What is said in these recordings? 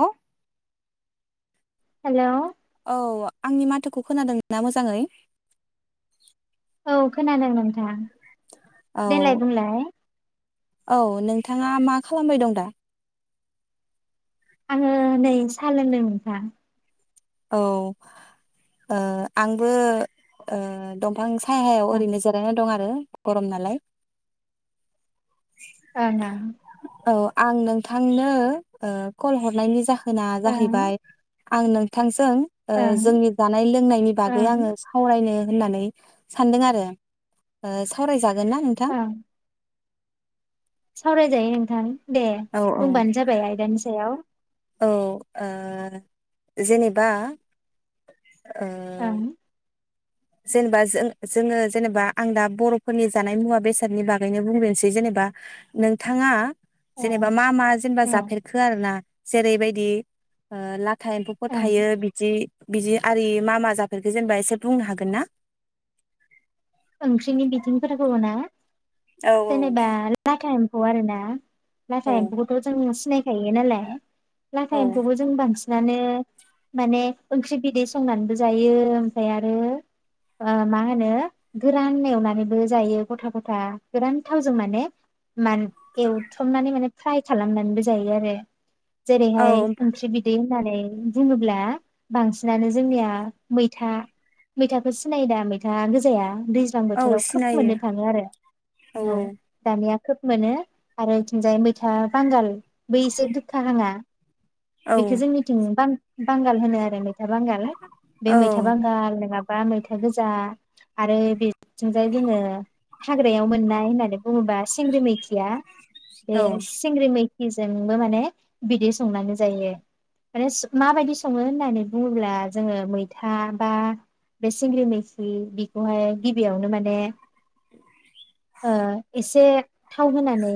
Hello. Hello. औ आंनि माथोखौ खोनादोंना मोजाङै औ खोनादों नोंथां औ देलाय बुंलाय औ नों थाङा मा खालामबाय दं दा आङो नै साहा लोंदों नोंथां औ ओ आंबो ओ दंफां सायायाव ओं ओरैनो जिरायना दं आरो गरम नालाय ओं ओं औ आं नोंथांनो ओ कल हरनायनि जा होना ओं जाहैबाय आं नों थां जों ओ ओं ओं जोंनि जानाय लोंनायनि बागै ओं आङो सावरायनो होननानै सानदों आरो ओ सावरायजागो गोन ना नोंथां ओं सावरायजायो नोंथां दे औ बुंबानो जाबाय आयदानि सायाव औ ओ जेनेबा ओह ओं जेनेबा जों जोङो जेनेबा आं दा बर'फोरनि जानाय मुवा बेसादनि बागैनो बुंब्रोसै जेनेबा नोंथाङा औ जेनेबा मा मा जेनेबा औ जाफेरखो आरो ना जेरैबायदि ओ ला फिथा एम्फौफोर ओं थायो बिदि बिदि आरि मा मा जाफेरखो जेनेबा एसे बुंनो हागोन गोनना ओंख्रिनि बिथिंफोरखौबो ना औ जेनैबा [unintelligible] खौ आरो ना औ नाथाय बेखौथ' जों सिनाय थायो नालाय लाथा औ एम्फौबो जों बांसिन मानो माने ओंख्रि बिदै संनानैबो जायो ओमफ्राय आरो मा होनो गोरान एवनानैबो जायो गथा गथा गोरान थावजों माने मान एवथमनानै माने फ्राय खालामनानैबो जायो आरो। जेरैहाय औ ओंख्रि बिदै नानै बुङोब्ला बांसिनानो जोंनिया मैथा-मैथाखौ सिनायो दा मैथा गोजाया दैज्लां औ बोथोराव खोब सिनायो मोननो थाङो आरो औ दानिया खोब मोनो आरो बिथिंजाय मैथा बांगालबो एसे गोखा हांङा औ बेखौ जोंनिथिं बां बांगाल होन आरो मैथा बांगाल बे औ मैथा बांगाल नङा बा मैथा गोजा आरो बेजोंजाय जोङो हाग्रायाव मोननाय होननानै बुङोबा सिंग्रि मैथिया बे औ सिंग्रि मै बिजोंबो माने बिदै संनानै जायो माने माबायदि सङो होननानै बुङोब्ला जोङो मैथा बा बे सिंग्रि मैखि बेखौहाय गिबियावनो माने [inaudible] ओ एसे थाव होनानै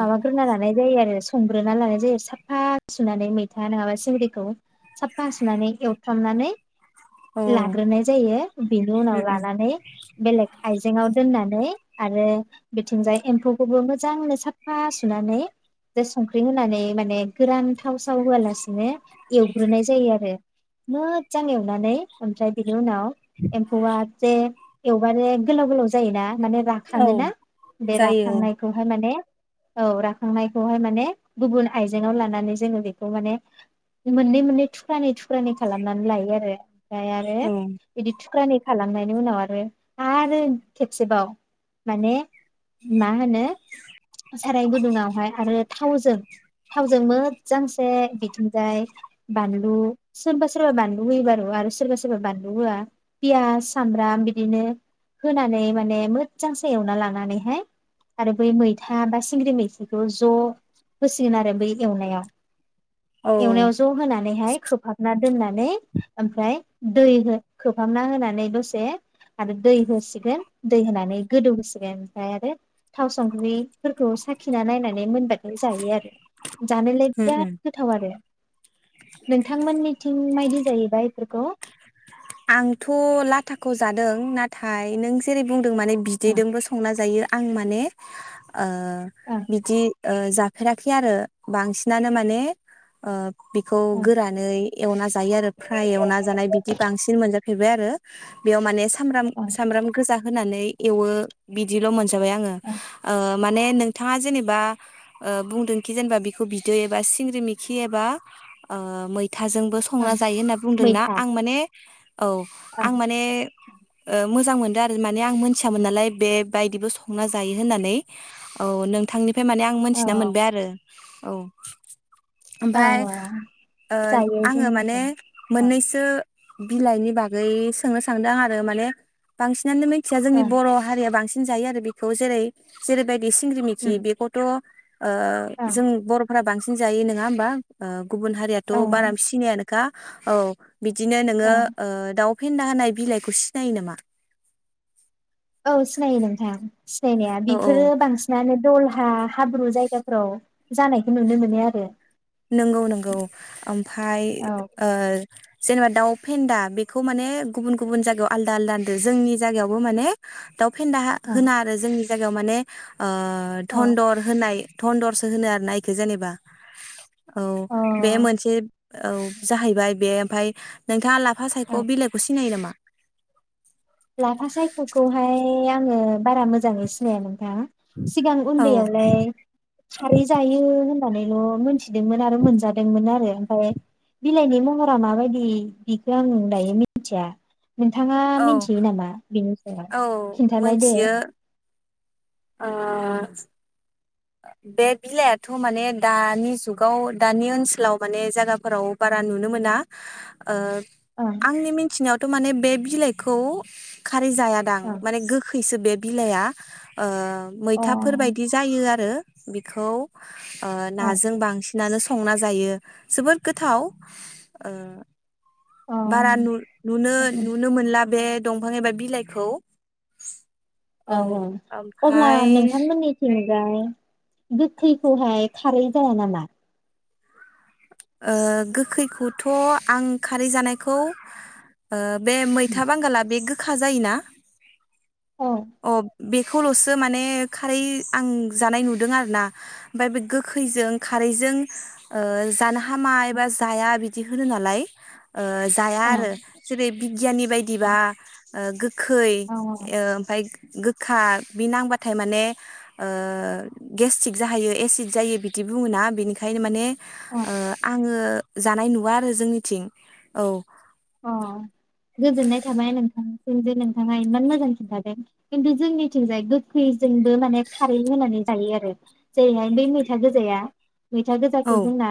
माबाफोर लानाय जायो आरो संग्रोना लानाय जायो साफा फा सुनानै मैथा नङाबा सिंग्रिखौ साफा सुनानै एवथामनानै औ लाग्रोनाय जायो बेनि उनाव लानानै बेलेग आयजेआव दोननानै आरो बिथिंजाय एम्फौखौबो मोजांनो साफ फा सुनानै जे संख्रि होनानै माने गोरानथाव थाव होआलासिनो एवग्रोनाय जायो आरो। मोजां एवनानै ओमफ्राय बे उनाव एम्फौआ जे एवबानो गोलाव गोलाव जायो ना माने औ राखाङो ना बे जायो राखांनायखौहाय माने औ राखांनायखौहाय माने गुबुन आइजेंवाव लानानै जोङो बेखौ माने मोननै मोननै थुख्रानि थुख्रानि खालामनानै लायो आरो। आरो औ बिदि थुख्रानि खालामनायनि उनाव आरो आरो खेबसेबाव माने मा होनो साराय गुदुङावहाय आरो थावजों थावजों मोजांसे बिथिंजाय बानलु सोरबा सोरबा बानलु होयो बारु आरो सोरबा सोरबा बानलु होआ पियास सामब्राम बिदिनो होनानै माने मोजांसे एवना लानानैहाय आरो बै मै था बा सिंग्रि मैखिखौ ज' होसिगोन आरो बै एवनायाव औ एवनायाव ज' होनानैहाय खोबहाबना दोननानै ओमफ्राय दै खोबहामना होनानै दसे आरो दै होसिगोन दै होनानै गोदौ होसिगोन ओमफ्राय आरो थाव संख्रि फोरखौ साखिना नायनानै मोनबाय जायो आरो जानायलाय औ बिराद गोथाव आरो नोंथांमोननिथिं मायदि जायोैबाया बेफोरखौ आंथ लाथाखौ जादों नाथाय नों जेरै बुं माने ओं बिदैदोंबो संना जायो आं माने ओ ओं बिदि ओ जाफेराखै आरो बांसिनानो माने बेखौ ओं गोरानै एवना जायो आरो फ्राय एवना जानाय बि बांसिन मोन हैैबाय आरो बेयाव माने सामब्राम ओं सामब्राम गोजा होनानै एवो बिदिल मोनसे जाबाय आंङो ओं ओ माने नोंथाङा जेनेबा बुंदोंखि जेनेबा बिखौ बिदै एबा सिंग्रि मिखि एबा ओ मै थाजोंबो ओं संना जायो होनना बुंदोंना मैथा आं - [unintelligible] औ ओं आं माने मोजां मोनदों आरो माने आं मोनथियामोन नालाय बे बायदिबो संना जायो होननानै औ नोंथांनि ओमफाय माने आं औ मोनथिना मोनबाय आरो औ औ ओमफाय ओ जायो आंङो माने जोंनिथिं औ मोननैसो बिलाइनि बागै सोंनो सानदों आं आरो माने बांसिनानो खथिया जोंनि ओं बर हारिया बांसिन जायो आरो बिखौ जेरै जेरैबाय सिंग्रि उम मिखि बेखौथ। ओ ओं जों बरफोरा बांसि सिन जायो नोंङा होमबा ओ। गुबुन हारियाथ औ बारा सिनायानो ना औ। बिदिनो औ नोंङो ओ दाउ। फेन्दा होननाय बिलाइखौ सिनायो नामा? औ सिनायो नोंथां। सिनायनाया औ औ बेफोरो बांसिनानो दल हा हाब्रु जायगाफोराव जानायखौ नुनो मोनो आरो। नोंगौ नोंगौ आमफाय औ ओ। जेनेबा दाउ फेन्दा बेखौ माने गुबुन गुबुन जायगायाव आलदा आलदा होनदो जोंनि जायगायावबो माने। दाउ फेन्दा ओं होना आरो जोंनि जायगायाव माने। ओ अ दन्दर होनाय दन्दरसो होनो आरो ना इखो जेनेबा। औ अ बे मोनसे औ जाहै बाय बे ओमफाय नोंथाङा ला फा सायख' औ बिलाइखौ सिनायो नामा? लाफा सायख'खौहाय आङो। बारा मोजाङै सिनाया नोंथाङा? सिगां औ उन्दैयावलाय। खारै जायो होन होननानैल' मोनथिदोंमोन आरो मोनजादोंमोन आरो ओमफ्राय बिलाइनि महरा माबायदि बिखो आङो दायो मिनथिया। नोंथाङा औ मिनथि यो नामा बेनि सायाव औ खिन्थालाय दे। मोनथियो ओ। बे बिलाइयाथ' माने दानि जुगाव दानि ओनसोलाव माने जायगाफोराव बारा नुनो मोना। ओ ओं आंनि मिनथिनायावथ' माने बे बिलाइखौ। खारै जायादां ओं माने गोखैसो बे बिलाइआ ओ अ मैथाफोर बायदि जायो आरो आरो बेखौ ओ ओं नाजों बांसिनानो सं संना जायो जोबोद गोथाव औ बारा नु नुनो-नुनो मोनला बे दंफां एबा बिलाइखौ औ औ अब्ला ओमफाय नोंथांमोननिथिं ओमफ्राय गोखैखौ हाय खारै जाया नामा ओ गोखैखौथ' आं खारै जानायखौ ओ बे मैथा बांगाला बे गो खा जायोना औ अ बे खौल'सो माने खारै आं जानाय नुदों आरोना ओमफ्राय बे गोखैजों खारैजों ओ जानो हा हामा एबा जाया बि दिहुनो नालाय ओ जाया औ आरो जेरै बिगियाननि बायदिबा ओ गो खै औ ओमफ्राय गोखा बि नांबाथाय माने ओ गेस्टिक जाहैयो एसिद जायो बिदि बुङोना बिनिखायनो माने औ ओ जोङो जानाय नुवा आरो जोंनिथिं औ अ गोजोननाय थाबाय नोंथां जों जे नोंथाङा इमान मोजां खिन्थादों खिन्थु जोंनिथिंजाय गोखैजोंबो माने खारै होनानै जायो आरो जेरैहाय बै मैथा गोजाया मैथा औ गोजाखौ जोंना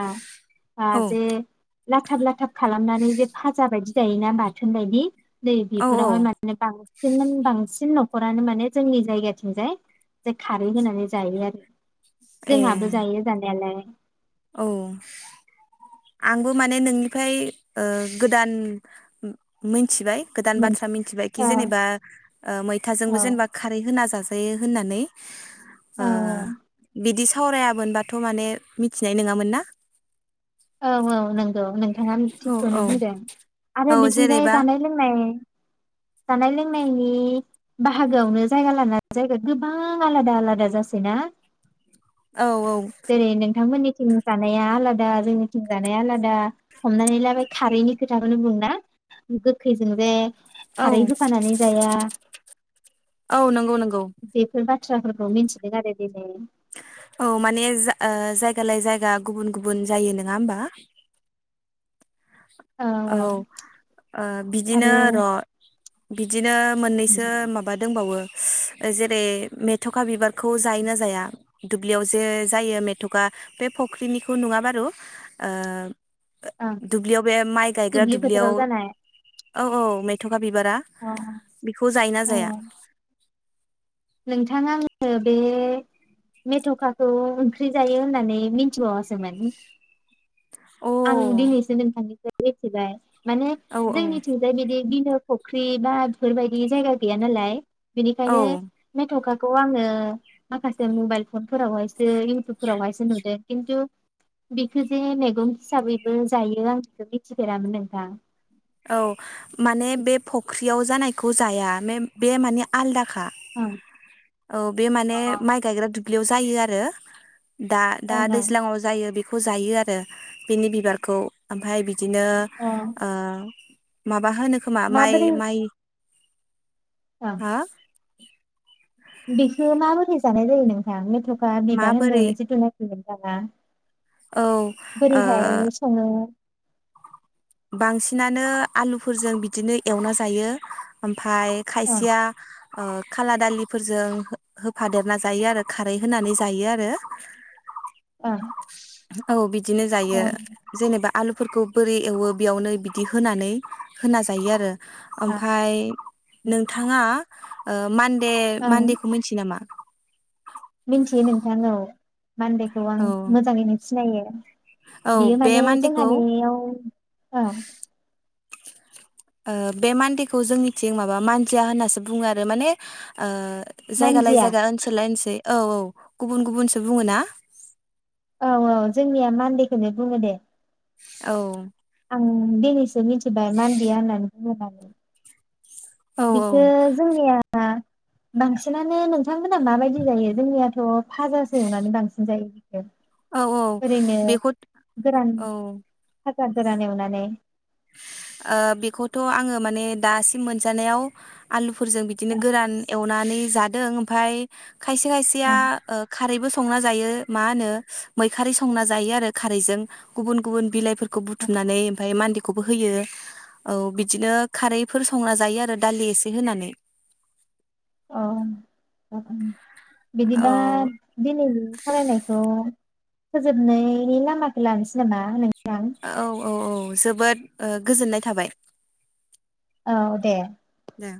बा औ जे लाथाब लाथाब खालाम खालामनानै जे भा जा बायदि जायोना बाथोन बायदि दै औ बेफोर औ माने [unintelligible] सेमोन [unintelligible] बांसिन न'खरानो माने जोंनि जायगाथिंजाय जे खारै होनानै जायो आरो ए जोंहाबो जायो जानायालाय औ आंबो माने नोंनिफ्राय ओ गोदान मिथिबाय गोदान बाथ्रा मोनसे मिथि बायदि औ जेनेबा ओ औ मैथाजोंबो जेनेबा खारै होना जा [unintelligible] होननानै ओ औ बिदिसो सावरायामोनबाथ' माने मिथिनाय नङामोन ना औ औ नों औ नोंथाङा थिखौनो औ बुंदों आरो बिथिंजाय जेरैबा जानाय लोंनाय जानाय नायनि बाहागोआवनो जायगा ला जायगा गोबां आलादा आलादा जासै ना औ जेरै नोंथांमोननि थिं जानाया आलादा जोंङ जानाया आलादा हमनानै लाबाय खारैनि खोथाखौनो बुंना गोखैजों जे औ खारै होफानानै जाया औ नंगौ नंगौ बेफोरबाद बाथ्राफोरखौ मिथिदों आरो दिनै औ माने जायगालायै जायगा गुबुन गुबुन जायो नङा होमबा ओ औ बिदिनो आरो र' बिदिनो आं मोननैसो माबा दंबावो जेरै मेथ'खा बिबारखौ जायो न जाया दुब्लियाव जे जायो मेथ'खा बे फुख्रिनिखौ नङा बारु ओं दुब्लियाव बे माइ गायग्रा दुब्लि फोथाराव दुब्लियाव जानाय औ औ मेथं अखा बिबारा अ बेखौ जायोना अ जाया नोंथां आङो बे मेथ'खाखौ ओंख्रि जायो होननानै मिथिबावासोमोन। अ आं दिनैसो नोंथांनिफ्राइ मिथिबाय। माने औ जोंनिथिंजाय बिदि बिलो फुख्रि बा बेफोरबायदि जायगा गैया नालाय औ बेनिखायनो मेथ'खा खौ आङो माखासे मबाइल फन फोरावहायसो इउटुबफोरावहायो नुदों खिन्थु बिखौजे मेगं हिसाबैबो जायो आं बेखौ मिथिफेरामोन नोंथां औ माने बे फख्रियाव जानाय खौ जाया बे माने आलदाखा औ औ बे माने माइ गायग्रा दु दुब्लियाव जायो आरोड दा दा ओं दैज्लाांआव जायो बे फु जायो आरो बिनि बिबारखौ ओमफ्राय बि। बिदिनो अ ओ। माब। बा होनो खोमा माइ माबोरै माइ। ओं हा। बेखौ माबोरै जानाय जायो नोंथां मेथ'। बा बिबार माबोरै होनदों जितुनो। [unintelligible] नोंथाङा औ ओ बोरैहाय सङो। बांसिनानो आलुफोरजों बिदिनो एवना जायो, ओम फाय ओं खायसेया ओ खाला दालिफोरजों हो-होफादेरना जायो आरो खारै होनानै जायो आरो। ओं औ बि दिनो जायो ओं जेनेबा आलुफोरखौ बोरै एवो? बेयावनो बिदि होनानै होना जायो आरो। ओमफाय ओं नोंथाङा ओ मान दे मान्देखौ मिथियो नामा? मिथियो नोंथां औ। मान्देखौ आं औ मोजाङैनो सिनायो। औ बियो बे माने मान्देखौ जोंहानियाव ओ। ओ बे मान्देखौ जोंनिथिं माबा मानजिया होननासो बुङो आरो माने ओ जायगा लायै मान्जिया जायगा ओनसोला लायै ओनसै औ औ गुबुन गुबुनसो बुङो ना। औ औ जोंनिया मान्देखौनो बुङो दे। औ। ओं दिनैसो मिथिबाय मान्देया होननानै बुंनानै। औ बिखो जोंनिया बांसिनानो नोंथांमोना माबायदि जायो जोंनियाथ' भाजासो एवनानै बांसिन जायो। औ औ [inaudible] ओरैनो बेखौ गोरान। औ भाजा गोरान एवनानै। ओ बेखौथ' आङो माने दासिम मोनजानायाव आलु फोरफोरजों बिदिनो अ गोरान एवनानै जादों ओमफाय खायसे अ खायसेयाव ओ खारैबो संना जायो मा होनो मैखारै संना जायो आरो खारैजों गुबन गुबुन बिलाइफोर बुथुमनानै ओमफाय मान खौबो होयो औ बिदिनो खारैफोर संना जायो आरो दालि एसे होनानै। अ [unintelligible] औ बिदिबा दिनैनि खालायनायखौ फोजोबनायनि लामाखौ लानोसै नामा नों औ औ औ। जोबोद ओ गोजोननाय थाबाय। औ दे दे